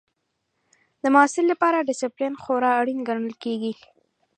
د محصل لپاره ډسپلین خورا اړین ګڼل کېږي.